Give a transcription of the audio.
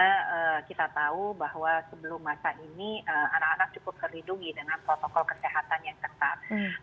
karena kita tahu bahwa sebelum masa ini anak anak cukup terlindungi dengan protokol kesehatan yang ketat